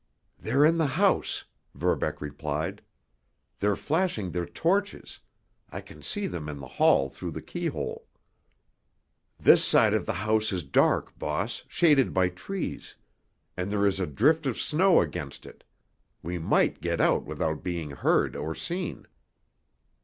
"They're in the house," Verbeck replied. "They're flashing their torches—I can see them in the hall through the keyhole." "This side of the house is dark, boss, shaded by trees. And there is a drift of snow against it. We might get out without being heard or seen."